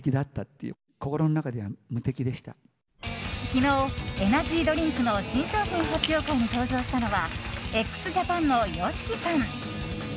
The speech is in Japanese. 昨日、エナジードリンクの新商品発表会に登場したのはＸＪＡＰＡＮのＹＯＳＨＩＫＩさん。